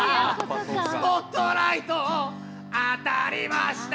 「スポットライト当たりました」